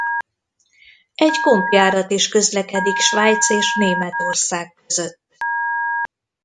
Egy kompjárat is közlekedik Svájc és Németország között.